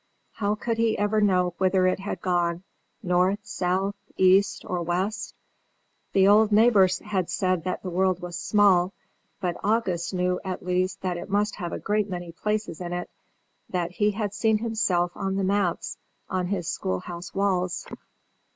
how could he ever know whither it had gone north, south, east or west? The old neighbour had said that the world was small; but August knew at least that it must have a great many places in it; that he had seen himself on the maps on his school house walls.